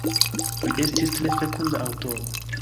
Li estis tre fekunda aŭtoro.